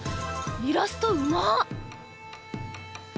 イラストうまっ！